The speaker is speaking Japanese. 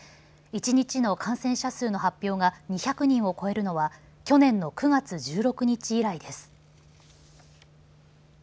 一日の感染者数の発表が２００人を超えるのは去年の９月１６日以来です。